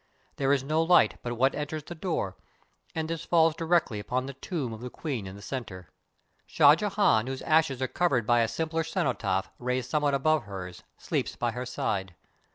There is no light but what enters the door, and this falls directly upon the tomb of the queen in the center. Shah Jehan, whose ashes are covered by a simpler cenotaph, raised somewhat above hers, sleeps by her side.